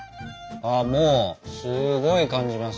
もうすごい感じます。